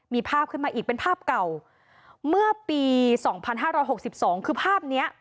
มีภาพขึ้นมาอีกเป็นภาพเก่าเมื่อปี๒๕๖๒คือภาพนี้